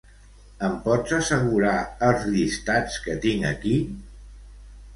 Em pots assegurar els llistats que tinc aquí?